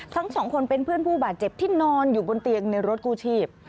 ทั้งสองคนเป็นเพื่อนผู้บาดเจ็บที่นอนอยู่บนเตียงในรถกู้ชีพ